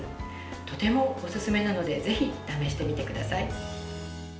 とてもおすすめなのでぜひ試してみてください。